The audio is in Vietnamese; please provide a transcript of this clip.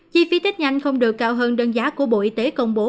chi phí tết nhanh không được cao hơn đơn giá của bộ y tế công bố